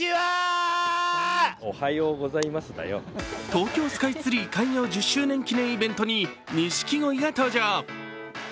東京スカイツリー開業１０周年記念イベントに、錦鯉が登場